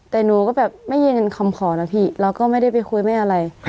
แต่หนูก็แบบไม่ยินคำขอแล้วพี่เราก็ไม่ได้ไปคุยแม่อะไร